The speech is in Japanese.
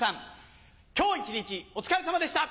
今日一日お疲れさまでした！